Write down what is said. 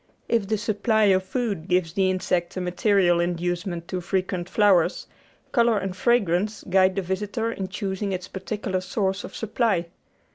Natural History 631 If the supply of food gives the insect a material inducement to frequent flowers, colour and fragrance guide the visitor in choosing its particular source of supply.